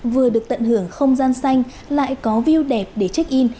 vừa được tận hưởng không gian xanh lại có view đẹp để check in